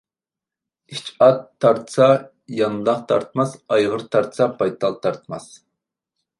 ئىچ ئات تارتسا يانداق تارتماس، ئايغىر تارتسا بايتال تارتماس.